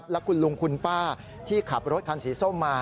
และคุณลุงคุณป้าที่ขับรถคันสีส้มมา